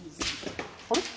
あれ？